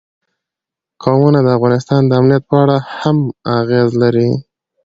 قومونه د افغانستان د امنیت په اړه هم اغېز لري.